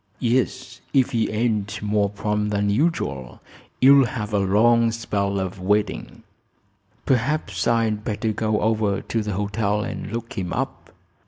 "Yes; if he ain't more prompt than usual you'll have a long spell of waiting." "Perhaps I'd better go over to the hotel and look him up.